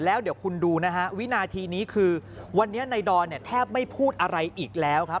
แล้วเดี๋ยวคุณดูนะฮะวินาทีนี้คือวันนี้ในดอนเนี่ยแทบไม่พูดอะไรอีกแล้วครับ